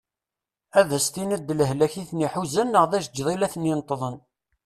Ad as-tiniḍ d lehlak iten-iḥuzan neɣ d ajeǧǧiḍ i la iten-ineṭɛen.